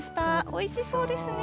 おいしそうですね。